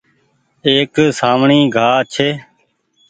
ايڪ سآوڻي گآه ڇي۔